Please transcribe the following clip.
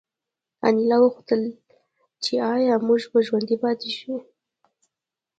انیلا وپوښتل چې ایا موږ به ژوندي پاتې شو